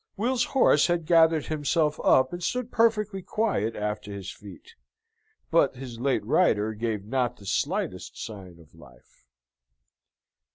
Will's horse had gathered himself up and stood perfectly quiet after his feat: but his late rider gave not the slightest sign of life.